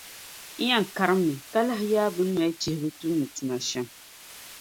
N yɛn karimmi ka lahi yaai bԑ ni mali chihibu n-tumdi tuma shԑm.